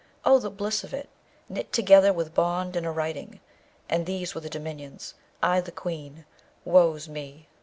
Oh, the bliss of it! Knit together with bond and a writing; and these were the dominions, I the Queen, woe's me!